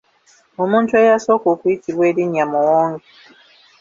Omuntu eyasooka okuyitibwa erinnya Muwonge.